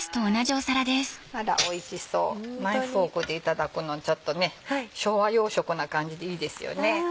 あらおいしそうナイフフォークでいただくのちょっとね昭和洋食な感じでいいですよね。